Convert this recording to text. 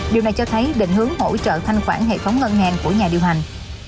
điều này cho thấy định hướng hỗ trợ thanh khoản hệ thống ngân hàng của nhà điều hành